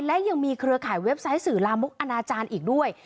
และยังมีเครือข่ายเว็บไซต์สื่อลามกอนาจารย์อีกด้วย